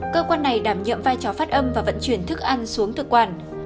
cơ quan này đảm nhiệm vai trò phát âm và vận chuyển thức ăn xuống thực quản